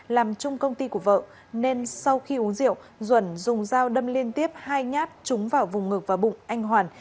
làm chung công ty của vợ nên sau khi uống rượu duẩn dùng dao đâm liên tiếp hai nhát trúng vào vùng ngực và bụng anh hoàn